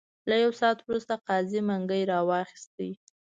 له یو ساعت وروسته قاضي منګی را واخیست.